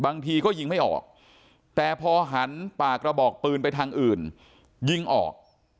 บางทีก็ยิงไม่ออกแต่พอหันปากกระบอกปืนไปทางอื่นยิงออก